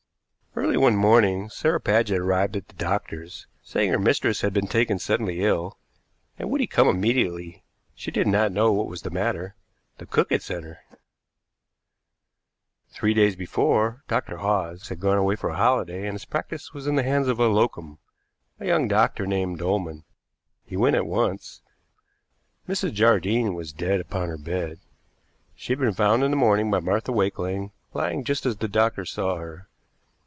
Early one morning Sarah Paget arrived at the doctor's, saying her mistress had been taken suddenly ill, and would he come immediately. She did not know what was the matter. The cook had sent her. Three days before Dr. Hawes had gone away for a holiday, and his practice was in the hands of a locum, a young doctor named Dolman. He went at once. Mrs. Jardine was dead upon her bed. She had been found in the morning by Martha Wakeling lying just as the doctor saw her.